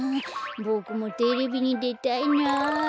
ボクもテレビにでたいな。